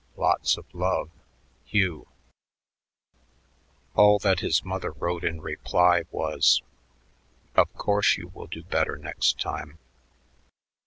Lots of love, HUGH All that his mother wrote in reply was, "Of course, you will do better next time."